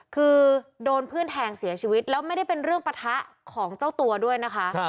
คือโดนเพื่อนแทงเสียชีวิตแล้วไม่ได้เป็นเรื่องปะทะของเจ้าตัวด้วยนะคะ